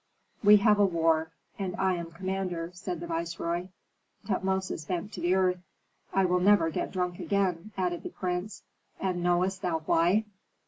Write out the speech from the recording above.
"We have a war, and I am commander," said the viceroy. Tutmosis bent to the earth. "I will never get drunk again," added the prince. "And knowest thou why?"